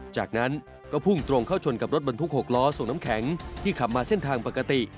จากนั้นก็พุ่งตรงเข้าชนกับรถบรรทุก๖ล้อส่งน้ำแข็งที่ขับมาเส้นทางปกติ